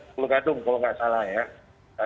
kulugadung kalau tidak salah ya